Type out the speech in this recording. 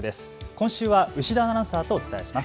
今週は牛田アナウンサーとお伝えします。